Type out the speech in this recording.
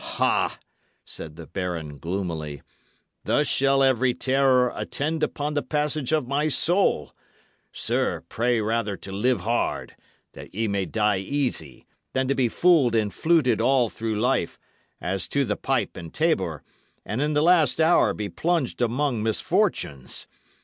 "Ha!" said the baron, gloomily, "thus shall every terror attend upon the passage of my soul! Sir, pray rather to live hard, that ye may die easy, than to be fooled and fluted all through life, as to the pipe and tabor, and, in the last hour, be plunged among misfortunes!